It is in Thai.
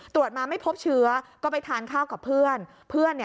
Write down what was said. ตรวจมาไม่พบเชื้อก็ไปทานข้าวกับเพื่อน